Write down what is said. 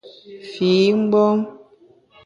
Fi mgbom !